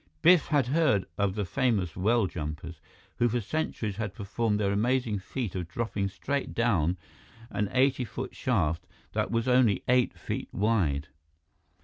Biff had heard of the famous well jumpers, who for centuries had performed their amazing feat of dropping straight down an eighty foot shaft that was only eight feet wide.